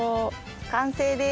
完成です。